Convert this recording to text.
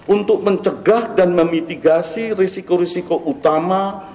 untuk mencegah dan memitigasi risiko risiko utama